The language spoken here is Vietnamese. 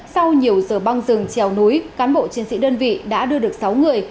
sau nhiều giờ băng rừng trèo núi cán bộ chiến sĩ đơn vị đã đưa được sáu người